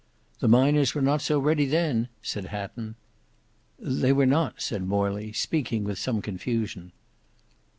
"The miners were not so ready then," said Hatton. "They were not," said Morley speaking with some confusion.